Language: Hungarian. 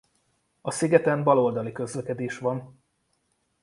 A szigeten bal oldali közlekedés van.